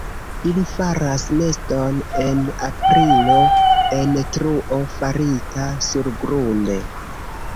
Ili faras neston en aprilo en truo farita surgrunde.